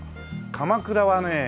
鎌倉はね